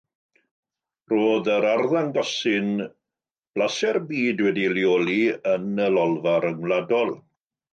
Roedd yr arddangosyn 'Blasau'r Byd' wedi'i leoli yn y Lolfa Ryngwladol.